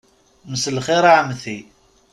Mselxir a Ɛemti.